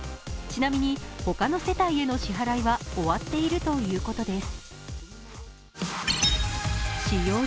ちなみに他の世帯への支払いは終わっているとのことです。